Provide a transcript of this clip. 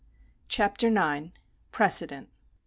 CHAPTER IX. PRECEDENT.